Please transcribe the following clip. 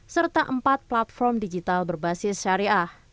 serta empat platform digital berbasis syariah